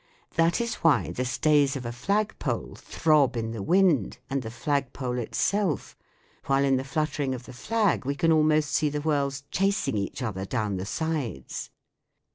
That is why the stays of a flag pole throb in the wind, and the flagpole itself, while in the fluttering of the flag we can almost see the whirls chasing each other down the sides.